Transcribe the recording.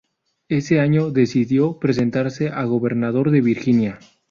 Ese año decidió presentarse a Gobernador de Virginia.